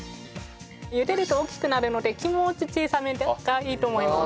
茹でると大きくなるので気持ち小さめがいいと思います。